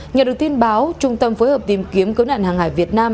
nhờ được tin báo trung tâm phối hợp tìm kiếm cứu nạn hàng hải việt nam